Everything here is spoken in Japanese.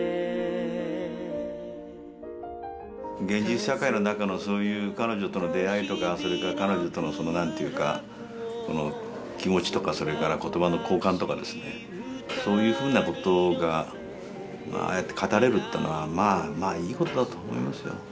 現実社会の中のそういう彼女との出会いとかそれから彼女との何と言うかその気持ちとか言葉の交換とかですねそういうふうなことがああやって語れるってのはまあいいことだと思いますよ。